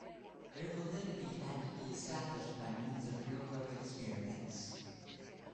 Their validity had to be established by means of real-world experience.